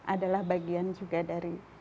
adalah bagian juga dari